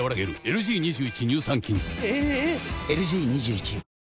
⁉ＬＧ２１